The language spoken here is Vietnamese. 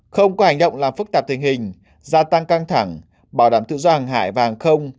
không có hành động làm phức tạp tình hình gia tăng căng thẳng bảo đảm tự do hàng hải và hàng không